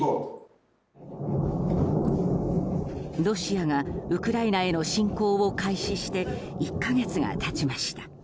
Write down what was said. ロシアがウクライナへの侵攻を開始して１か月が経ちました。